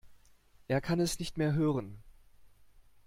Er kann es nicht mehr hören.